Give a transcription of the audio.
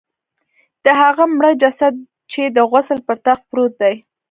د هغه مړه جسد چې د غسل پر تخت پروت دی.